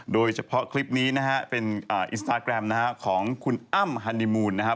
โดยเฉพาะคลิปนี้นะฮะเป็นอินสตาแกรมนะฮะของคุณอ้ำฮันนิมูลนะครับ